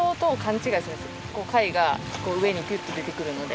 こう貝が上にピュッと出てくるので。